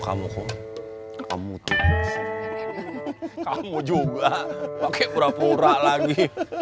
kamu mau nonton juga doi